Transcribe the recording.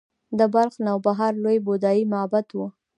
د بلخ نوبهار لوی بودايي معبد و